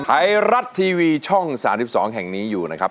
ไทยรัฐทีวีช่อง๓๒แห่งนี้อยู่นะครับ